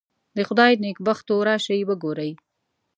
د خدای نېکبختو راشئ وګورئ.